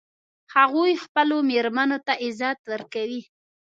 هغوی خپلو میرمنو ته عزت ورکوي